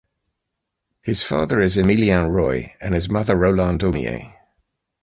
His father is Émilien Roy and his mother Rolande Homier.